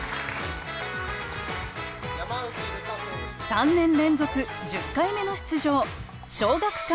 ３年連続１０回目の出場尚学館